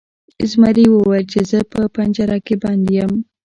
زمري وویل چې زه په پنجره کې بند یم.